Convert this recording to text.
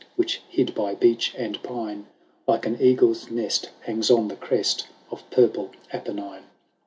Which, hid by beech and pine. Like an eagle's nest, hangs on the crest Of purple Apennine ; IV.